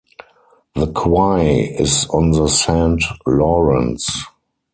The quay is on the Saint Lawrence.